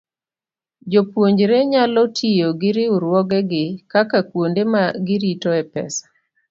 Jopuonjre nyalo tiyo gi riwruogegi kaka kuonde ma giritoe pesa.